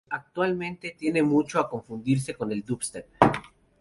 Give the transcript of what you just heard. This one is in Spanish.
Actualmente tiende mucho a confundirse con el dubstep.